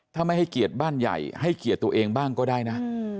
ถ้าไม่ให้เกียรติบ้านใหญ่ให้เกียรติตัวเองบ้างก็ได้นะ